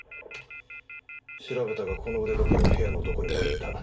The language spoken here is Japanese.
調べたがこの腕時計は部屋のどこにもなかった。